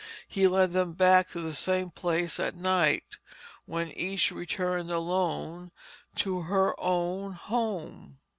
He led them back to the same place at night, when each returned alone to her own home.